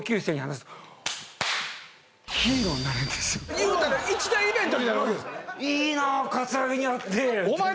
言うたら一大イベントになるわけですね。